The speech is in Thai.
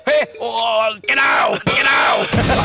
เอ่ะเห้ะเกดาว